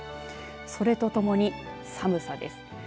それとともに寒さです。